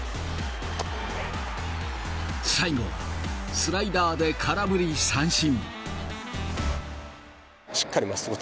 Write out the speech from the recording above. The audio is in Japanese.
最後はスライダーで空振り三振。